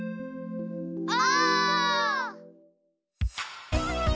お！